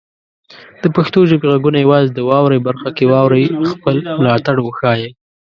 د پښتو ژبې غږونه یوازې د "واورئ" برخه کې واورئ، خپل ملاتړ وښایئ.